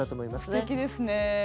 すてきですね。